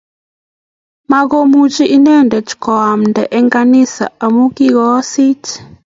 Makomuchi inendet koamnda eng kanisa amu kikoosit